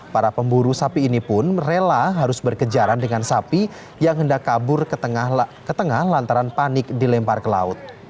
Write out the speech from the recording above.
para pemburu sapi ini pun rela harus berkejaran dengan sapi yang hendak kabur ke tengah lantaran panik dilempar ke laut